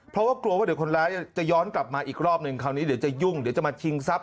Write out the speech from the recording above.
เพราะว่ากลัวว่าเดี๋ยวคนร้ายจะย้อนกลับมาอีกรอบนึงคราวนี้เดี๋ยวจะยุ่งเดี๋ยวจะมาชิงทรัพย